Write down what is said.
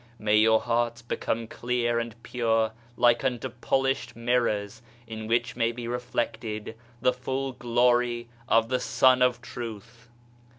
May your hearts become clear and pure like unto polished mirrors in which may be reflected the full glory of the Sun of Truth.